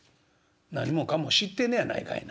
「何もかも知ってんねやないかいな。